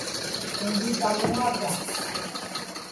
توں بی چالوں گا کیا